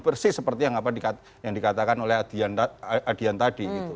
persis seperti yang dikatakan oleh adian tadi